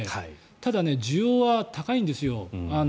ただ、需要は高いんですよ。